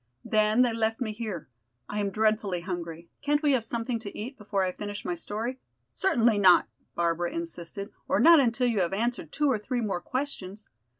Then they left me here. I am dreadfully hungry; can't we have something to eat before I finish my story?" "Certainly not," Barbara insisted, "or not until you have answered two or three more questions.